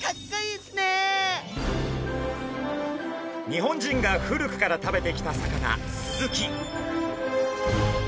日本人が古くから食べてきた魚スズキ。